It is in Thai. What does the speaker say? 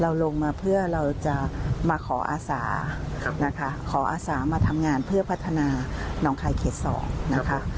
ลงมาเพื่อเราจะมาขออาสานะคะขออาสามาทำงานเพื่อพัฒนาน้องคายเขต๒นะคะ